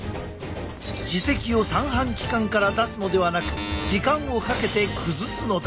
耳石を三半規管から出すのではなく時間をかけて崩すのだ。